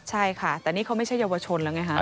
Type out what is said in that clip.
ใช่ค่ะแต่นี่เขาไม่ใช่เยาวชนแล้วไงฮะ